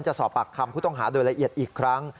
จะสอบปากคำผู้ต้องหาโดยละเอียดอีกครั้ง